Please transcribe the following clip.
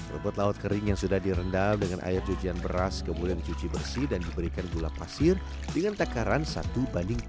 rumput laut kering yang sudah direndal dengan air cucian beras kemudian dicuci bersih dan diberikan gula pasir dengan takaran satu banding tiga puluh